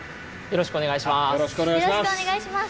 よろしくお願いします。